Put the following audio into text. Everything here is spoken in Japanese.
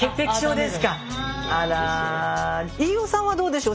飯尾さんはどうでしょう。